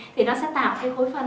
thì nó sẽ tạo cái khối phần